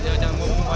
jangan jangan jangan